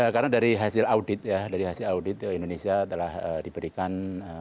karena dari hasil audit ya dari hasil audit indonesia telah diberikan